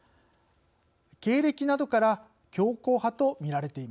経歴などから「強硬派」と見られています。